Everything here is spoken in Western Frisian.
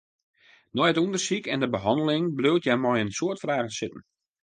Nei it ûndersyk en de behanneling bliuwt hja mei in soad fragen sitten.